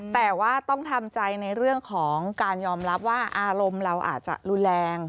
แต่ว่าต้องทำใจในเรื่องของการยอมรับว่าอารมณ์เราอาจจะรุนแรง